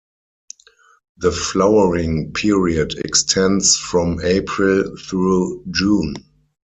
The flowering period extends from April through June.